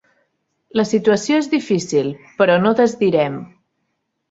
La situació és difícil, però no desdirem.